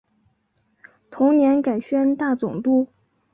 同年改宣大总督。